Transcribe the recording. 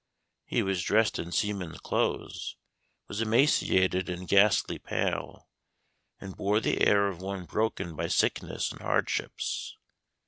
He was dressed in seamen's clothes, was emaciated and ghastly pale, and bore the air of one broken by sickness and hardships.